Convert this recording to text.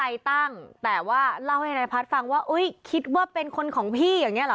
ตั้งแต่ว่าเล่าให้นายพัฒน์ฟังว่าอุ้ยคิดว่าเป็นคนของพี่อย่างเงี้เหรอ